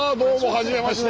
はじめまして。